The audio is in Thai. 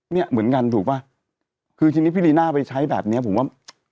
เนี่ยเหมือนกันถูกป่ะคือทีนี้พี่ลีน่าไปใช้แบบเนี้ยผมว่า